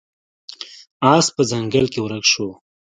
اس په ځنګل کې ورک شو.